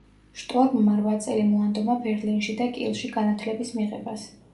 შტორმმა რვა წელი მოანდომა ბერლინში და კილში განათლების მიღებას.